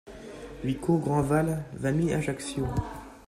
huit cours Grandval, vingt mille Ajaccio